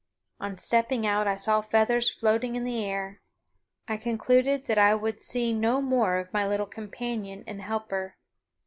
On stepping out I saw feathers floating in the air. I concluded that I would see no more of my little companion and helper.